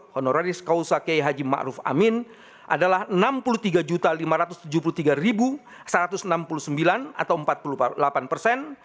honoraris kausake haji ma'ruf amin adalah enam puluh tiga lima ratus tujuh puluh tiga satu ratus enam puluh sembilan atau empat puluh delapan persen